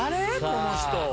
この人。